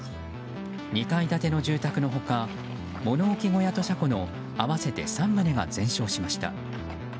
２階建ての住宅の他物置小屋と車庫の合わせて３棟が全焼しました。